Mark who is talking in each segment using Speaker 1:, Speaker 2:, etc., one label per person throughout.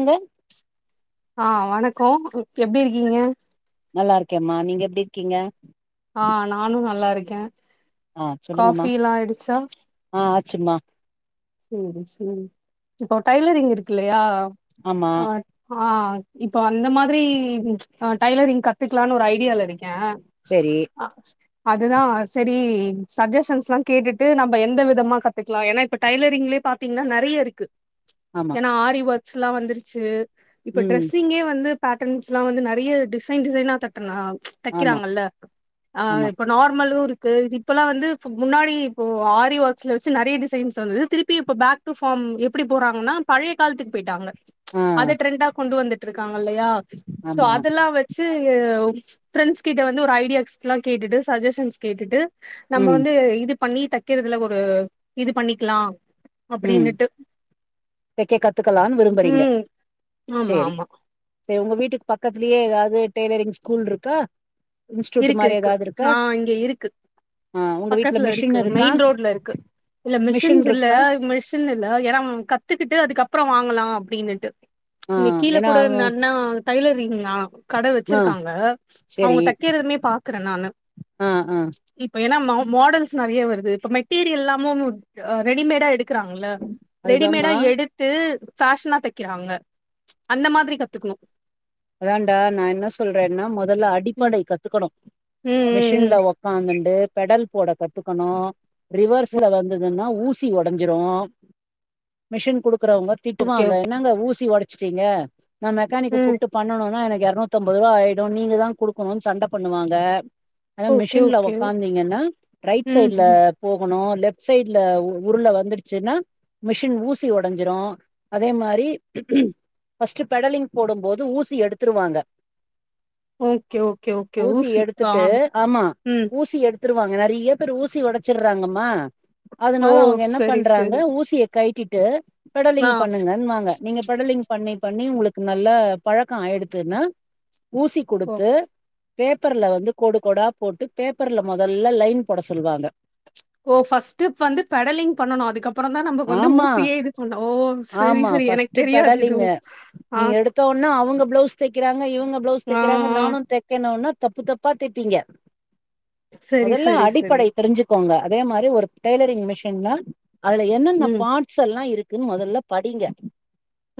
Speaker 1: எங்க
Speaker 2: ஆ வணக்கோ எப்டி இருக்கீங்க
Speaker 1: நல்லா இருக்கேம்மா நீங்க எப்டி இருக்கீங்க
Speaker 2: ஆ நானு நல்லாருக்கே
Speaker 1: ஆ சொல்லுங்கம்மா ஆ ஆச்சுமா
Speaker 2: செரி செரி இப்போ டைலரிங் இருக்குல்லையா
Speaker 1: ஆமா
Speaker 2: ஆ ஆ இப்போ அந்த மாதிரி டைலரிங் கத்துக்லான் ஒரு ஐடியால இருக்கே
Speaker 1: செரி
Speaker 2: ஆ அதுதா சரி சஜஷன்ஸ்லா கேட்டுட்டு நம்ம எந்த விதமா கத்துக்லா ஏன்னா இப் டைலரிங்லே பாத்தீங்னா நெறைய இருக்கு
Speaker 1: ஆமா
Speaker 2: ஏன்னா ஆரி ஒர்க்ஸ்லா வந்துருச்சு இப்ப
Speaker 1: ம்
Speaker 2: டிரெஸ்ஸிங்கே வந்து பேட்டன்ஸ்லா‌ வந்து நெரிய டிசைன் டிசைனா தட்டனா இந்த
Speaker 1: ஆமா
Speaker 2: தைக்கராங்ள அ
Speaker 1: ஆமா
Speaker 2: இப்போ நார் மலுருக்கு இது இப்பெல்லா வந்து முன்னாடி இப்போ ஆரி ஒர்க்ஸ்ல வச்சு நறைய டிசைன்ஸ் வந்தது திருப்பியு இப்ப பேக் டு ஃபார்ம் எப்டி போறாங்கன்னா பழைய காலத்துக்கு போயிட்டாங்க
Speaker 1: ஆ
Speaker 2: அத ட்ரெண்டா கொண்டு வந்துட்ருக்காங்க இல்லையா சோ
Speaker 1: ஆமா
Speaker 2: அதெல்லா வெச் சி பிரெண்ட்ஸ் கிட்ட வந்து ஒரு ஐடியாஸ் எல்லா கேட்டுட்டு சஜஷன்ஸ் கேட்டுட்டு நம்ம
Speaker 1: ம்
Speaker 2: வந்து இது பண்ணி தைக்கறதுல ஒரு இது பண்ணிக்கலா
Speaker 1: ம்
Speaker 2: அப்டின்னுட்டு
Speaker 1: தேய்க்க கத்துக்கலாம்னு விரும்புறீங்க
Speaker 2: ம் ஆமா
Speaker 1: சேரி
Speaker 2: ஆமா
Speaker 1: சேர் உங்க வீட்டுக்கு பக்கத்துலேயே ஏதாது டெ்லரிங் ஸ்கூல் இருக்கா இன்ஸ்டியூட்
Speaker 2: இருக்கு
Speaker 1: மாரி
Speaker 2: இருக்கு
Speaker 1: ஏதாவது இருக்கா
Speaker 2: நா இங்க இருக்கு
Speaker 1: ஆ உங்க வீட்ல
Speaker 2: பக்கத்துல
Speaker 1: மிஷின்
Speaker 2: இருக்கு
Speaker 1: இருக்கா
Speaker 2: மெயின் ரோட்லருக்கு இல்ல
Speaker 1: மிஷின்
Speaker 2: மிஷின்ஸ் இல்ல
Speaker 1: இருக்கா
Speaker 2: மிஸ் தின் இல்ல ஏனா கத்துக்கிட்டு அதுக்கரோ வாங்கலா அப்டின்னுட்டு
Speaker 1: ஆ
Speaker 2: இங்க கீழே
Speaker 1: ஏன்னா
Speaker 2: கூட அந்த
Speaker 1: அவன்
Speaker 2: அண்ண டைய்லரிங் தா கட
Speaker 1: ஆ
Speaker 2: வச்சிருக்காங்க அவங்க
Speaker 1: செரி
Speaker 2: தைக் [unintelligible] மே பாக்குறே நானு
Speaker 1: ஆ ஆ
Speaker 2: இப்ப ஏன்னா மா மாடல்ஸ் நெறையா வருது இப்ப மெட்டீரியல்லாமு ரெடிமேடா எடுக்றாங்கல்ல ரெடிமேடா
Speaker 1: அதுதாம்மா
Speaker 2: எடுத்து பேஷனா தைக்கிறாங்க அந்த மாதிரி கத்துக்கணு
Speaker 1: அதாண்டா நா என்ன சொல்றேன்னா மொதல்ல
Speaker 2: ம்
Speaker 1: அடிப்படை கத்துக்கணு மேஸ் டின்ல
Speaker 2: ம் ம் ம்
Speaker 1: ஒக்காந்துண்டு பெடல் போட கத்துக்கணு ரிவர்ஸ்ல வந்ததுன்னா ஊசி ஒடஞ்சிரு மிஷின் குடுக்குறவங்க
Speaker 2: ஓகே
Speaker 1: திட்டுவாங்க
Speaker 2: ஓகே
Speaker 1: என்னங்க ஊசி ஒடச்சிட்டீங்க நா மெக்கானிக்க
Speaker 2: ம்
Speaker 1: கூப் விட்டு பண்ணனுனா எனக்கு இரநூத் அம்பது ரூபா ஆயிடு நீங்க தா குடுக்கணும்னு சண்ட பண்ணுவாங்க ஆ
Speaker 2: ஓகே
Speaker 1: மிஷின்ல
Speaker 2: ஓகே
Speaker 1: உக்காந்தீங்கன்னா ரைட்
Speaker 2: ம்
Speaker 1: சைட்ல
Speaker 2: ம்
Speaker 1: போகணு லெப்ட் சைட்ல உருல வந்துடுச்சுன்னா மிஷின் ஊசி ஒடைஞ்சிரு அதே மாரி பஸ்ட்டு பெடலிங் போடும் போத் ஊசி எடுத்துருவாங்க
Speaker 2: ஓகே ஓகே ஓகே
Speaker 1: ஊசி
Speaker 2: ஆ
Speaker 1: எடுத்துட்டு ஆமா
Speaker 2: ம்
Speaker 1: ஊசி எடுத் எடுத்துருவாங்க நெறியா பேர் ஊசி உடச்சிர்றாங்கம்மா
Speaker 2: ஓ
Speaker 1: அதனால அவங்க என்ன
Speaker 2: சரி
Speaker 1: பண்றாங்க
Speaker 2: சரி
Speaker 1: ஊசிய கைட்டிட்டு
Speaker 2: ஆ
Speaker 1: பெடலிங் பண்ணுங்கன் வாங்க நீங்க பெடலிங் பண்ணி பண்ணி உங்களுக்கு நல்ல பழக்கோ ஆயிடுத்துன்னு ஊசி
Speaker 2: ஓ
Speaker 1: கொடுத்து பேப்பர்ல வந்து கோடு கோடா போட்டு பேப்பர்ல மொதல்ல லைன் போட சொல்லுவாங்க
Speaker 2: ஓ பஸ்ட்ப் வந்து பெடலிங் பண்ணனு அதுக்கப்ரோ தா நமக்கு வந்து
Speaker 1: ஆமா
Speaker 2: ஊசியே இது பண்ணோ ஓ செரி செரி எனக்
Speaker 1: பஸ்ட் பெடலிங்கு
Speaker 2: ஆ
Speaker 1: இன்னா அவங்க பிளவுஸ் தெக்கிறாங்க இவங்க பிளவுஸ்
Speaker 2: ஆ,
Speaker 1: தெக்கிறாங்க
Speaker 2: ஆ.
Speaker 1: நானு தெக்கணுனு தப்பு தப்பா பாத்துடீங்க
Speaker 2: சரி,
Speaker 1: மொதல்ல
Speaker 2: சரி, சரி.
Speaker 1: அடிப்படை தெரிஞ்சுக் கோங்க அதே மாரி ஒரு டெய்லரிங் மிஷின்னா அதுல என்னென்ன
Speaker 2: ம்,
Speaker 1: பாட் ட்ஸ் எல்லா இருக்குன்னு மொதல்ல படிங்க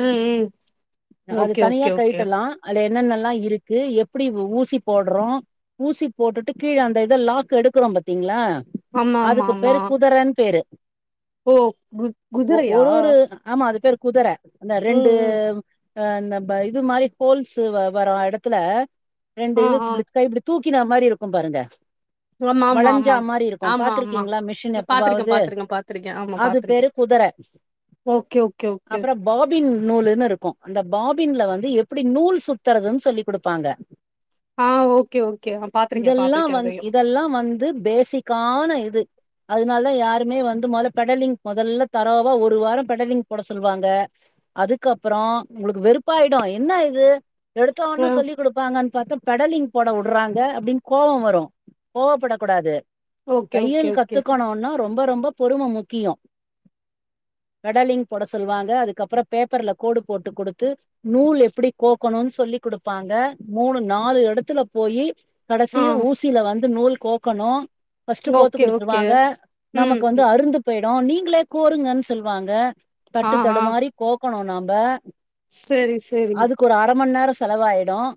Speaker 2: ம் ம்
Speaker 1: அது
Speaker 2: ஓகே ஓக்
Speaker 1: தனியா கழுட்டலா அதுல என்னென்னல்லா இருக்கு எப்டி ஊசி போடுறோ ஊசி போட்டுட்டு கீழ அந்த இத லாக் எடுக்கறோ பாத்தீங்ளா
Speaker 2: ஆமா, ஆமா,
Speaker 1: அதுக்கு
Speaker 2: ஆமா.
Speaker 1: பேரு குதரன்னு பேரு
Speaker 2: ஓ குத்
Speaker 1: ஒ
Speaker 2: குதுரையா
Speaker 1: ஒரு ஒரு ஆமா அது பேர் குதர அந்த ரெண்டு அ இந்த வ இது மாரி ஹோல்ஸ் வ வர இடத்துல ரெண்டு
Speaker 2: ஆ,
Speaker 1: இது
Speaker 2: ஆ.
Speaker 1: இப்டி கைப்பிடி தூக் க்கின மாரி இருக்கும் பாருங்க
Speaker 2: ஆமா, ஆமா,
Speaker 1: வளைஞ்சா
Speaker 2: ஆமா.
Speaker 1: மாரி இருக்கும்
Speaker 2: ஆமா, ஆமா.
Speaker 1: பாத்திருக்கீங்களா மிஷின்
Speaker 2: பார்த்துருக்கேன்,
Speaker 1: எப்பவாது
Speaker 2: பார்த்துருக்கேன், பார்த்துருக்கேன். ஆமா,
Speaker 1: அது பேரு
Speaker 2: பார்த்துருக்கேன்.
Speaker 1: குதர
Speaker 2: ஓகே ஓகே ஓகே
Speaker 1: அப்பறோ பாபின் நூல்ன்னு இருக்கும் அந்த பாப் பின்ல வந்து எப்டி நூல் சுத்துறதுன்னு சொல்லி் குடுத்தாங்க
Speaker 2: ஆ, ஓகே, ஓகே. ஆ பார்த்துருக்கேன்,
Speaker 1: இதெல்லாம்
Speaker 2: பார்த்துருக்கேன்
Speaker 1: வந்
Speaker 2: அதையும்.
Speaker 1: இதெல்லாம் வந்து பேசிக் காண இது அதனால தான் யாருமே வந்து மொதல பெடலிங் மொதல்ல தரவா ஒரு வாரோ பெடலிங் போட சொல்லுவாங்க அதுக்கு அப்பறோ உங்களுக்கு வெறுப்பாயிடும் என்ன இது எடுத்த
Speaker 2: அ,
Speaker 1: ஒன்னே சொல்லி குடுப்பாங்கன்னு பாத்தா பெடலிங் போட உடுறாங்க அப்டின்னு கோவோம் வரும் கோவப்படக்க கூடாது
Speaker 2: ஓகே, ஓகே,
Speaker 1: தையல்
Speaker 2: ஓகே.
Speaker 1: கத்துக்கணுன்னா ரொம்ப ரொம்ப பொறும முக்கியோ பெடலிங் போட சொல்லுவாங்க அதுக்கு அப்பறோ பேப்பர்ல கோடு போட்டு குடுத்து நூலு எப்டி கோக்கணுன்னு சொல்லி் குடுப்பாங்க மூணு நாலு இடத்துல போயி
Speaker 2: ஆ,
Speaker 1: கடைசில ஊசில வந்து நூல் கோக்கணும் பஸ்ட் கோத்து
Speaker 2: ஓகே, ஓகே.
Speaker 1: குடுத்துருவாங்க
Speaker 2: ம்,
Speaker 1: நமக்கு வந்து
Speaker 2: ம்.
Speaker 1: அறுந்து போய்டும் நீங்களே கோருங்கன்னு சொல்லுவாங்க
Speaker 2: ஆ,
Speaker 1: தட்டு தடு மாரி கோக்கணும் நாம்ப
Speaker 2: செரி ஸ்
Speaker 1: அதுக்கு ஒரு அரமண் நேரோ செலவாயிடும்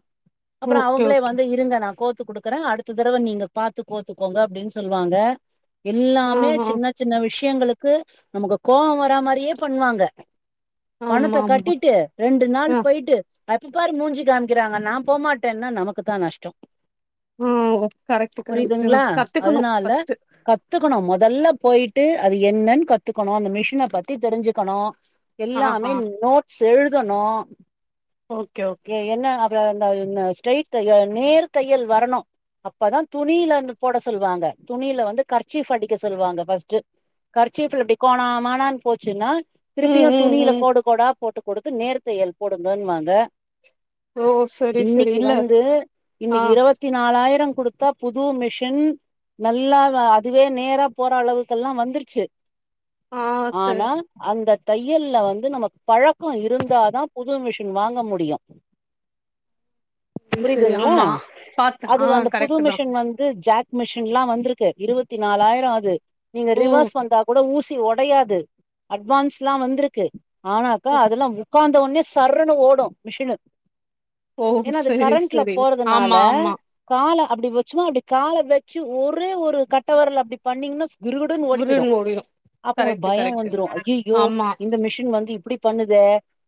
Speaker 1: அப்பறோ
Speaker 2: ஓகே,
Speaker 1: அவங்களே
Speaker 2: ஓகே.
Speaker 1: வந்து இருங்க நான் கோத்து குடுக் க்குறேன் அடுத்த தடவ நீங்க பாத்து கோத்துக்கோங்க அப்டின்னு சொல்லுவாங்க
Speaker 2: ஆ,
Speaker 1: எல்லாமே
Speaker 2: ஆ.
Speaker 1: சின்ன சின்ன விஷயங்களுக்கு நமக்கு கோவோ வர மாரியே பண்ணுவாங்க பணத்த
Speaker 2: ஆமா, ஆமா.
Speaker 1: கட்டிட்டு ரெண்டு நாள்
Speaker 2: ஆ,
Speaker 1: போய்ட் டு எப்ப பாரு மூஞ்சிய காமிக்கிறாங்க நா போமாட்டேன்னா நமக்கு தான் நஷ்டோ
Speaker 2: ஆ. கரெக்ட், கரெக்ட்
Speaker 1: புரியுதுங்களா
Speaker 2: தான். கத்துக்கணும்
Speaker 1: அதனால
Speaker 2: ஃபர்ஸ்ட்டு.
Speaker 1: கத் கத்துக்கணும் மொதல்ல போய்ட்டு அது என்னன்னு கத்துக்கணு அந்த மிஷின பத்தி தெரிஞ்சுக்கணு
Speaker 2: ஆ,
Speaker 1: எல்லாமே
Speaker 2: ஆ.
Speaker 1: நோட்ஸ் எழுதணும்
Speaker 2: ஓகே ஓக்
Speaker 1: ஏ என்ன அது அந்த ந ஸ்டரைட் நேர் தையல் வரணும் அப்பதான் துணியிலருந்து போட சொல்வாங்க துணியில வந்து கர்சிஃப் அடிக்க சொல்வாங்க ஃபஸ்ட்டு கர்சிஃப்ல இப்டி கோணா மானான்னு போச்சுன்னா
Speaker 2: ம்,
Speaker 1: திருப்பியும்
Speaker 2: ம்,
Speaker 1: துணில
Speaker 2: ம்.
Speaker 1: கோடு கோடா போட்டு குடுத்து நேர்த் தையல் போடுங்கன்னு வாங்க
Speaker 2: ஓ! சரி, சரி.
Speaker 1: இன்னிக்கு
Speaker 2: இல்ல.
Speaker 1: வந்து
Speaker 2: ஆ,
Speaker 1: இன்னிக்கு இருவத் த்தி நாலாயிரம் குடுத்தா புது மிஷின் நல்லா‌ வ அதுவே நேரா போற அளவுக்கு எல்லாம் வந்துருச்சு
Speaker 2: ஆ.
Speaker 1: ஆனா
Speaker 2: சரி,
Speaker 1: அந்த தையல்ல வந்து நமக்கு பழக்கோ இருந்தா தான் புது மிஷின் வாங்க முடியும்
Speaker 2: சரி.
Speaker 1: புரியுதுங்களா
Speaker 2: ஆமா. பாத்தேன். ஆ
Speaker 1: அதுவ அந்த புது
Speaker 2: கரெக்ட் தான்.
Speaker 1: மிஷன் வந்து ஜாக் மிஷின்ல்லாம் வந்திருக்கு இருவத்தி நாலாயிரம் ஆது நீங்க
Speaker 2: ஓ!
Speaker 1: ரிவர்ஸ் வந்தா கூட ஊசி ஒடையாது அட்வான்ஸ்லாம் வந்திருக்கு ஆனாக்கா அதெல்லாம் மு உட்கார்ந்த ஒன்னே சர்ன்னு ஓடும் மிஷினு
Speaker 2: ஓ!
Speaker 1: ஏன்னா அது
Speaker 2: சரி,
Speaker 1: கரண்ட்ல
Speaker 2: சரி. ஆமா,
Speaker 1: போறதுனால
Speaker 2: ஆமா.
Speaker 1: காள அப்டி வச்சோமா அப்டி கால வச்சு ஒரே ஒரு கட்டவரல அப்டி பண்ணீங்கன்னா கிடுகிடுன்னு ஓடி
Speaker 2: உருண்டு
Speaker 1: போய்டும்
Speaker 2: ஓடிரும்.
Speaker 1: அப்ப உங்களுக்கு
Speaker 2: கரெக்ட்,
Speaker 1: பயம்
Speaker 2: கரெக்ட்.
Speaker 1: வந்துரும் ஐய்யய்யோ
Speaker 2: ஆமா,
Speaker 1: இந்த மிஷின் வந்து இப்டி பண்ணுதே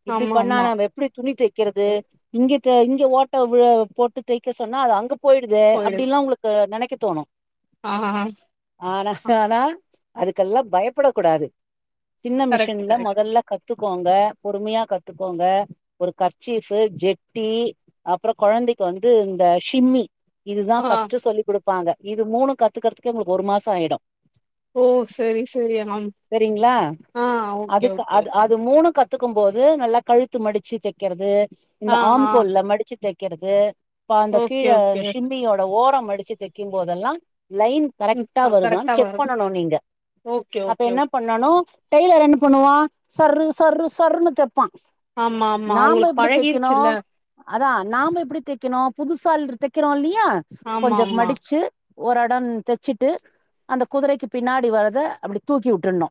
Speaker 1: இப்டி
Speaker 2: ஆமா,
Speaker 1: பண்ணா
Speaker 2: ஆமா.
Speaker 1: நம்ப எப்டி துணி தக்கிறது இங்க க இங்க ஓட்ட போட்டு தய்க்க சொன்னா அது அங்க போய்டுது
Speaker 2: போயிடுது.
Speaker 1: அப்டின்ல்லா உங்களுக்கு நெனைக்க தோணு
Speaker 2: ஆ ஆ ஆ
Speaker 1: ஆனா ஆனா அதுக்கல்லா பயப்பட கூடாது சின்ன
Speaker 2: கரெக்ட்,
Speaker 1: மிஷின்ல
Speaker 2: கரெக்ட்.
Speaker 1: மொதல்ல கத்துக்கோங்க பொறுமயா கத்துக்கோங்க ஒரு கர்ச்சீஃப்ஃபு ஜெட்டி அப்றோ கொழந்தைக்கு வந்து இந்த ஷிம்மி இதுதா
Speaker 2: ஆ.
Speaker 1: ஃபர்ஸ்ட்டு சொல்லி குடுப்பாங்க இது மூணு கத்துக்கறதுக்கே ஒங்களுக்கு ஒரு மாசோ ஆயிடு
Speaker 2: ஓ சேரி சேரி ஆ ஓகே ஓகே
Speaker 1: இது மூணு கத்துக்கும்போது நல்லா கழுத்து மடிச்சு தக்கறது இந்த
Speaker 2: ஆ, ஆ.
Speaker 1: ஆம்கோல்ல மடிச்சு தை க்கறது ப்பஅந்த
Speaker 2: ஓகே
Speaker 1: கீழ
Speaker 2: ஓகே
Speaker 1: ஷிம்மியோட ஓரம் அடிச்சு தக்கிம்போதெல்லா லைன்
Speaker 2: ம்
Speaker 1: கரெக்ட்டா வருதான்
Speaker 2: கரெக்டா
Speaker 1: செக்
Speaker 2: வரும்
Speaker 1: பண்ணணு நீங்க
Speaker 2: ஓகே
Speaker 1: அப்ப
Speaker 2: ஓகே
Speaker 1: என்ன பண்ணனு டெய்லர் என்ன பண்ணுவா சர்ரு சர்ரு சர்ருன்னு தெப்பா
Speaker 2: ஆமா ஆமா
Speaker 1: நாம்ப
Speaker 2: அவங்களுக்கு
Speaker 1: எப்டி தய்க்கணு
Speaker 2: பழகிருச்சுல்ல
Speaker 1: அதா‌ நாம எப்டி தய்க்கணு புதுசாள்ரு தக்கிறோல்லயா
Speaker 2: ஆமா
Speaker 1: கொஞ்சோ
Speaker 2: ஆமா
Speaker 1: மடிச்சு ஒரு எடம் தச்சிட்டு அந்த குதிரைக்கு பின்னாடி வர்றத அப்டி தூக்கி விட்டுருனு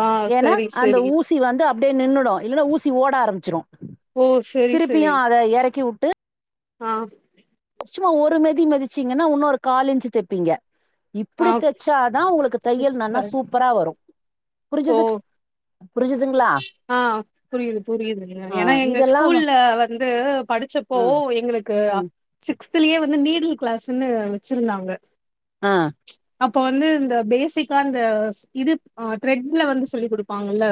Speaker 2: ஆ
Speaker 1: ஏன்னா
Speaker 2: சரி
Speaker 1: அந்த
Speaker 2: சரி
Speaker 1: ஊசி வந்து அப்டியே நின்னுடு இல்லன்னா ஊசி ஓட ஆரம்பிச்சிரு
Speaker 2: ஓ சரி
Speaker 1: திருப்பியு
Speaker 2: சரி
Speaker 1: அத எறக்கி வுட்டு
Speaker 2: ஆ
Speaker 1: சும்மா ஒரு மெதி மெதிச்சீங்கன்னா உன்னு ஒரு கால்லின்ச்சு தெப்பிங்க இ
Speaker 2: ஆ
Speaker 1: ப்டி தச்சாதா உங்களுக்கு தையல் நன்னா
Speaker 2: கரெக்ட்
Speaker 1: சூப்பரா வரு
Speaker 2: ஓ
Speaker 1: புரிஞ்சிது புரிஞ்சிது
Speaker 2: ஆ புரிது புரிதுங்க
Speaker 1: ஆ
Speaker 2: ஏனா எங்க
Speaker 1: இதெல்லா
Speaker 2: ஸ்கூல்ல வந்து படிச்சப்போ
Speaker 1: ஆ
Speaker 2: எங்களுக்கு
Speaker 1: ம்
Speaker 2: சிக்ஸ்த்லயே வந்து நீடில் கிளாஸ்ன்னு வச்சிருந்தாங்க
Speaker 1: ஆ
Speaker 2: அப்ப வந்து இந்த பேஸிக்கா இந்த இது ஆ த்ரெட்ல வந்து சொல்லி குடுப்பாங்கல்ல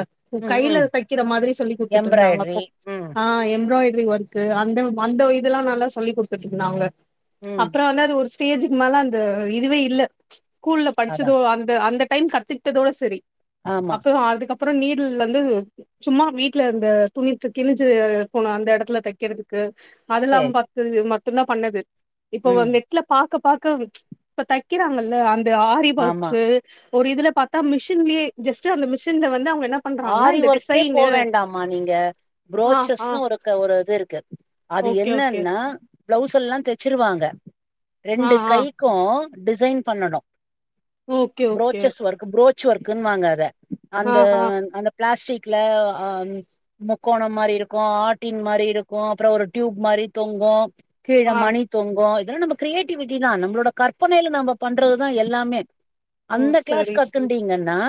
Speaker 1: ம்
Speaker 2: கைல
Speaker 1: ம்
Speaker 2: தைக்கிற மாதிரி சொல்லி குடுத்துட்ருந்தாங்க
Speaker 1: எம்ப்ராய்டரி
Speaker 2: அப்போ
Speaker 1: ம்
Speaker 2: ஆ எம்ப்ராய்ட்ரி ஒர்க்கு அந்த அந்த இதுல்லா நல்லா சொல்லி குடுத்துட்ருந்தாங்க
Speaker 1: ம்
Speaker 2: அப்றோ வந்து அது ஒரு ஸ்டேஜுக்கு மேல அந்த இதுவே இல்ல ஸ்கூல்ல
Speaker 1: அதா
Speaker 2: படிச்சதோ அந்த அந்த டைம் கத்துக்தோட செரி
Speaker 1: ஆமா
Speaker 2: அப்பறோ அதுக்கப்றோ நீ டில் வந்து சும்மா வீட்ல இந்த துணி கிழிஞ்சு போன அந்த எடத்துல தக்கறது க்கு அதுல்லாம்
Speaker 1: சேரி
Speaker 2: பாத்து மட்டுந்தா பண்ணது இப்ப
Speaker 1: ம்
Speaker 2: வந்து நெ ட்ல பாக்க பாக்க இப்ப தக்கிறாங்கல்ல அந்த ஆரி
Speaker 1: ஆமா
Speaker 2: வொர்க்ஸ்ஸு ஒரு இதுல பாத்தா மிஷின்லே ஜஸ்ட்டு அந்த மிஷின்ல வந்து அவுங்க என்ன பண்றாங்கன்னா
Speaker 1: ஆரி
Speaker 2: இந்த
Speaker 1: ஒர்க்கே
Speaker 2: டிசைனு
Speaker 1: போவேண்டாமா நீங்க
Speaker 2: ஆ ஆ
Speaker 1: புரோச்சஸ்னு ஒரு க ஒரு இது இருக்கு அது
Speaker 2: ஓகே ஓகே
Speaker 1: என்னன்னா ப்ளவுஸ் எல்லா தச்சிருவாங்க
Speaker 2: ஆ
Speaker 1: ரெண்டு
Speaker 2: ஆ
Speaker 1: கைக்கு டிசைன் பண்ணனு
Speaker 2: okay okay
Speaker 1: brooches work brooch ஒர்க்குனுவாங்க அத
Speaker 2: ஆ
Speaker 1: அந்த
Speaker 2: ஆ
Speaker 1: அந்த ப்ளாஸ்டிக்ல முக்கோண மாரி இருக்கு ஆட்டின் மாரி இருக்கு அப்பறோ ஒரு டியூப் மாரி தொங்கு கீழ
Speaker 2: ஆ
Speaker 1: மணி தொங்கு இதெல்லா நம்ம கிரியேட்டிவிட்டி தா நம்ளோட கற்பனைல நம்ம பண்றதுதா எல்லாமே
Speaker 2: ம்
Speaker 1: அந்த க்ளாஸ்
Speaker 2: சரி சரி
Speaker 1: கத்துன்டீங்கன்னா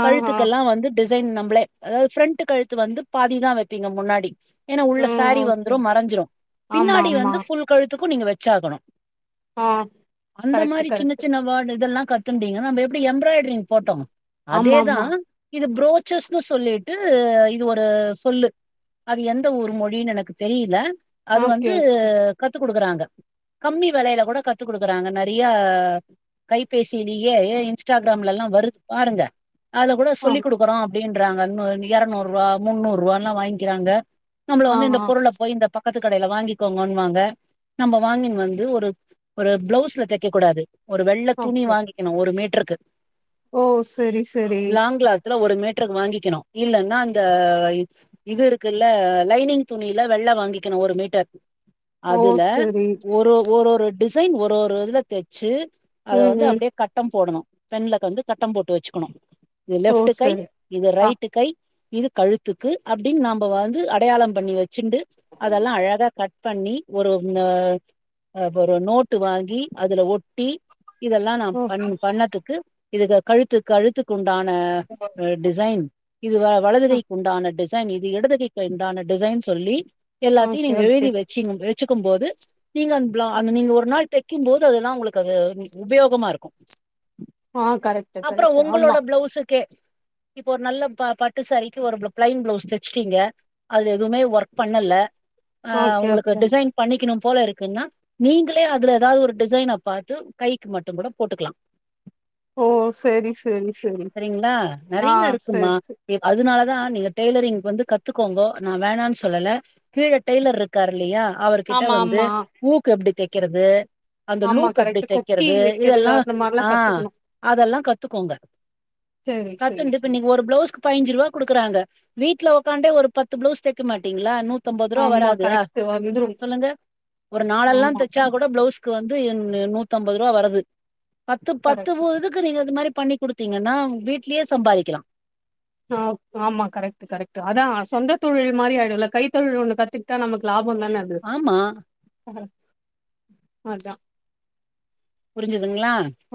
Speaker 2: ஆ ஆ
Speaker 1: கழுத்துக்கெல்லா வந்து டிசைன் நம்ளே அதாவ்து ஃப்ரென்ட்டு கழுத்து வந்து பாதி தா வப்பீங்க முன்னாடி ஏனா உள்ள
Speaker 2: ம்
Speaker 1: சாரீ
Speaker 2: ஓகே
Speaker 1: வந்துரு மறஞ்சிரு
Speaker 2: ஆமா
Speaker 1: பின்னாடி
Speaker 2: ஆமா
Speaker 1: வந்து ஃபுல் கழுத்துக்கு நீங்க வச்சாகணு
Speaker 2: ஆ
Speaker 1: அந்த
Speaker 2: கரெக்ட்
Speaker 1: மாரி சின்ன
Speaker 2: கரெக்ட்
Speaker 1: சின்ன வேர்டு இதெல்லா கத்துன்டீங்கனா நம்ப எப்டி எம்ப்ராய்ட்ரிங் போட்டோ
Speaker 2: ஆமா
Speaker 1: அதேதா
Speaker 2: ஆமா
Speaker 1: இது புரோச்சர்ஸ்ன்னு சொல்லிட்டு இது ஒரு சொல்லு அது எந்த ஊரு மொழினு எனக்கு தெரியில அது
Speaker 2: ஓகே
Speaker 1: வந்து கத்து குடுக்குறாங்க கம்மி வெலைல கூட கத்து குடுக்குறாங்க நெறைய கைபேசிலியே இன்ஸ்டாகிராம்லலா வருது பாருங்க அதுல கூட
Speaker 2: ஆ
Speaker 1: சொல்லி கொடுக்குறோ அப்டின்றாங்க இன்னு எரநூறுவா முன்னூறுவாலா வாங்க்கிக்குறாங்க நம்மள
Speaker 2: ஆ
Speaker 1: வந்து இந்த
Speaker 2: ஆ
Speaker 1: பொருள போய் இந்த ப கத்து கடையில வாங்கிக்கோங்கன்னுவாங்க நம்ம வாங்கின்னு வந்து ஒரு ஒரு பிளவுஸ்ல தைக்க கூடாது ஒரு வெள்ள துணி
Speaker 2: ஓகே
Speaker 1: வாங்கிக்கணு ஒரு மீட்டருக்கு
Speaker 2: ஓ சரி சரி
Speaker 1: துல ஒரு மீட்ருக்கு வாங்கிக்கணு இல்லன்னா அந்த இது இருக்குல்ல லைனிங் துணியில வெள்ள வாங்கிக்கணு ஒரு மீட்டர்
Speaker 2: ஓ
Speaker 1: அதுல
Speaker 2: சரி
Speaker 1: ஒரு ஒரு ஒரு டிசைன் ஒரு ஒரு இதுல தெச்சு அத
Speaker 2: ம்
Speaker 1: வந்து
Speaker 2: ம்
Speaker 1: அப்டியே கட்டம் போடணு பென்லக வந்து கட்டம் போட்டு வெச்சுக்கணு இது
Speaker 2: ஓ
Speaker 1: லெஃப்ட்டு
Speaker 2: சரி
Speaker 1: இது
Speaker 2: ஆ
Speaker 1: ரைட்டு கை இது கழுத்துக்கு அப்டின்னு நாம்ப வந்து அடையாளம் பண்ணி வச்சுண்டு அதெல்லா அழகா கட் பண்ணி ஒரு நோ அ ஒரு நோட்டு வாங்கி அதுல ஒட்டி இதெல்லா நா
Speaker 2: ஓ
Speaker 1: பண்
Speaker 2: ஆ
Speaker 1: பண்ணதுக்கு இதுக்கு கழுத்து கழுத்துக்குண்டான டிசைன் இது வ வலது கைக்கு உண்டான டிசைன் இது இடது கைக்கு உண்டான டிசைன் சொல்லி எல்லாத்தையு
Speaker 2: ஓகே
Speaker 1: நீங்க
Speaker 2: ஓகே
Speaker 1: எழுதி வச்சுங் வச்சுக்கும் போது நீங்க அந் ப்ளா அந்த நீங்க ஒரு நாள் தைக்கும் போது அதெல்லா உங்களுக்கு அது உபயோகமா இருக்கு
Speaker 2: ஆ கரெக்
Speaker 1: அப்புறோ உங்களோட பிளௌஸுக்கே இப்போ ஒரு நல்ல ப பட்டு சாரிக்கு ஒரு பிளா பிளைன் பிளவுஸ் தைச்சுட்டீங்க அது எதுமே ஒர்க் பண்ணல ஆ
Speaker 2: ஓகே
Speaker 1: உங்களுக்கு
Speaker 2: ஓகே
Speaker 1: டிசைன் பண்ணிக்கணு போல இருக்குன்னா நீங்களே அதுல ஏதாவது ஒரு டிசைன பாத்து கைக்கு மட்டு கூட போட்டுக்கலா
Speaker 2: ஓ சேரி ச் சரி சரி
Speaker 1: சரிங்களா
Speaker 2: ஆ
Speaker 1: நறைய
Speaker 2: சரி
Speaker 1: இருக்குமா
Speaker 2: சரி
Speaker 1: அதுனாலதா நீங்க டெய்லரிங் வந்து கத்துக்கோங்கோ நா வேணானு சொல்லல கீழே டெய்லர் இருக் கார்லயா அவர்கிட்ட
Speaker 2: ஆமா
Speaker 1: வந்து
Speaker 2: ஆமா
Speaker 1: ஊக் எப்டி தைக்கிறது அந்த
Speaker 2: ஆமா
Speaker 1: லூப் எப்டி
Speaker 2: கரெக்ட் கொக்கி
Speaker 1: தைக்கிறது
Speaker 2: வைக்கிறது
Speaker 1: இதுெல்லா
Speaker 2: அந்த மாரிலா
Speaker 1: ஆ
Speaker 2: கத்துக்கணு
Speaker 1: அதெல்லா கத்துக்கோங்க
Speaker 2: சரி சரி
Speaker 1: கத்துண்டு இப்ப
Speaker 2: சரி
Speaker 1: நீங்க ஒரு பிளவுஸ் பயின்ஜிருவா கொடுக்குறாங்க வீட்ல உக்காந்தா ஒரு பத்து பிளவுஸ் தைக்க மாட்டீங்களா நூ நூத்தம்பத்ரூபா
Speaker 2: ஆமா
Speaker 1: வராதா
Speaker 2: கரெக்ட் வந்துரு
Speaker 1: சொல்லுங்க ஒரு நாளெல்லா
Speaker 2: ஆமா
Speaker 1: தெச்சா கூட பிளவுஸ்க்கு வந்து நூத்தம்பது ரூபா வருது பத்து பத்து
Speaker 2: கரெக்ட்
Speaker 1: ஒரு இது க்கு நீங்க இது மாரி பண்ணி குடுத்தீங்கன்னா வீட்லேயே சம்பாதிக்கலா
Speaker 2: ஆ ஆமா கரெக்ட் கரெக்ட் அதா சொந்த தொழில் மாரி ஆயிடுல கைத்தொழில் ஒண்ணு கத்துக்கிட்டா நமக்கு லாபோ தானே
Speaker 1: ஆமா
Speaker 2: ஆ அதா
Speaker 1: புரிஞ்சுதுங்க்ளா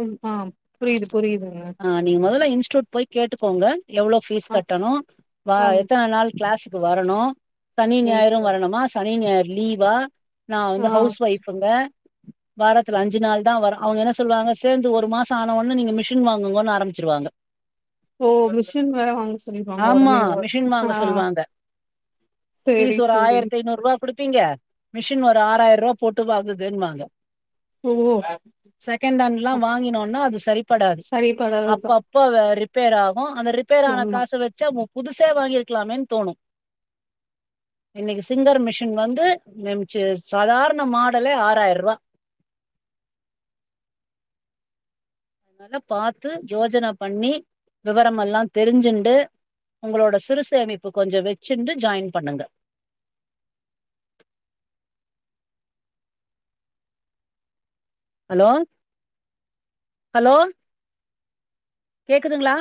Speaker 2: ம் ஆ புரியுது புரியுது
Speaker 1: ஆ நீங்க மொதல்ல இன்ஸ்டூயூட் போய் கேட்டுக்கோங்க எவ்ளோ ஃபீஸ்
Speaker 2: ஆ
Speaker 1: கட்டணு வ
Speaker 2: ஆம்
Speaker 1: எத்தன நாள் கிளாஸ்க்கு வரணு சனி ஞாயிரு
Speaker 2: இருக்கு.
Speaker 1: வரணுமா சனி ஞாயிற் லீவா நா
Speaker 2: ஆ
Speaker 1: வந்து ஹவுஸ் ஒயிஃபுங்க வாரத்துல அஞ்சு நாள் தா வரு அவங்க என்ன சொல்லுவாங்க சேர்ந்து ஒரு மாச ஆனவொன்னே நீங்க மிஷ் டின் வாங்குங்கன் ஆரம்பிச்சிருவாங்க
Speaker 2: ஓ மிஷின் வேற வாங்க சொல்லிருவாங்க
Speaker 1: ஆமா
Speaker 2: ஒடனே இவ ஆ அ
Speaker 1: பீஸ் ஒரு ஆயிரத்தி ஐநூறுவா குடுப்பீங்க மிஷின் ஒரு ஆறாயிருவா போட்டு வாங்குதுன்வாங்க
Speaker 2: ஓ
Speaker 1: செகண்ட் ஹேண்ட் ல்லா வாங்கினோனா அது சரிப்படாது
Speaker 2: சரிப்படாதுதா
Speaker 1: அப்பப்ப வே ரிப்பேர் ஆகு அந்த ரிப்பேர் ஆன
Speaker 2: ஆமா
Speaker 1: காச வெச்சு அவுங்க புதுசே வாங்கிருக்கலாமேன் தோணு இன்னிக்கு சிங்கர் மிஷின் வந்து ந மிச்சு சாதாரண மாடலே ஆறாய்ருவா அதனால பாத்து யோஜன பண்ணி விவரமெல்லா தெரிஞ்சுண்டு உங்களோட சிறுசேமிப்பு கொஞ்சோ வெச்சுண்டு ஜாய்ன் பண்ணுங்க ஹலோ ஹலோ கேக்குதுங்ளா